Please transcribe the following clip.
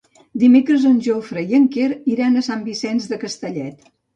Dimecres en Jofre i en Quer iran a Sant Vicenç de Castellet.